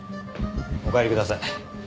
お帰りください。